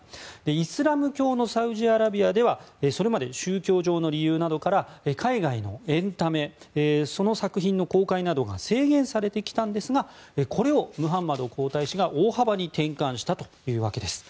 イスラム教のサウジアラビアではそれまで、宗教上の理由などから海外のエンタメその作品の公開などが制限されてきたんですがこれをムハンマド皇太子が大幅に転換したというわけです。